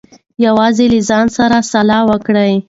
یوازې له خپل ځان سره سیالي وکړئ.